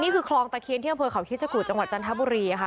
นี่คือคลองตะเคทเที่ยงผลเขาฮิตศวกรุจังหวัดจันทบุรีค่ะ